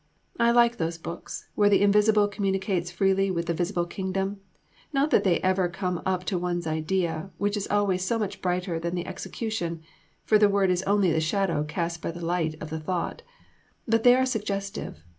I like those books, where the Invisible communicates freely with the Visible Kingdom; not that they ever come up to one's idea, which is always so much brighter than the execution (for the word is only the shadow cast by the light of the thought); but they are suggestive.